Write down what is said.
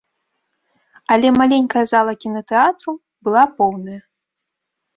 Але маленькая зала кінатэатру была поўная.